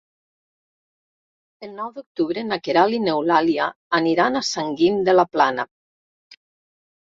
El nou d'octubre na Queralt i n'Eulàlia aniran a Sant Guim de la Plana.